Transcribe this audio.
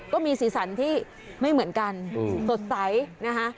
ก็มีสีสันที่ไม่เหมือนกันสดใสนะคะ